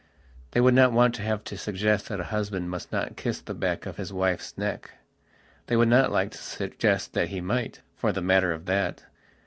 They would not want to have to suggest that a husband must not kiss the back of his wife's neck. They would not like to suggest that he might, for the matter of that.